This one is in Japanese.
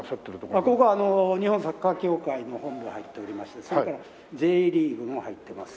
ここは日本サッカー協会の本部が入っておりましてそれからＪリーグも入ってますし。